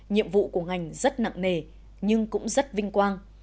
nhiệm vụ của ngành rất nặng nề nhưng cũng rất vinh quang